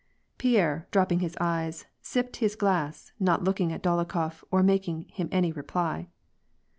Pierre dropping his eyes, sipped his glass, not looking at Dolokhof or making him any reply.